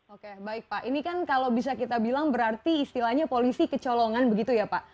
oke baik pak ini kan kalau bisa kita bilang berarti istilahnya polisi kecolongan begitu ya pak